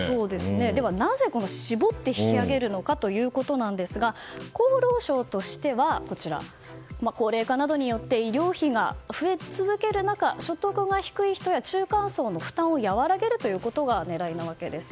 ではなぜ、絞って引き上げるかということですが厚労省としては高齢化などによって医療費が増え続ける中所得が低い人や中間層の負担を和らげることが狙いなわけです。